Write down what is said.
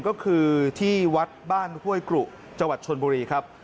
ก็คือที่วัดบ้านห้วยกรุจังหวัดชนบุรีครับ